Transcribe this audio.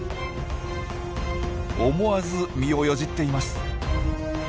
思わず身をよじっています。